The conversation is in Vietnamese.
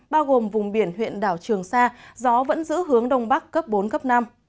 bao gồm vùng biển huyện đảo trường sa gió vẫn giữ hướng đông bắc cấp bốn cấp năm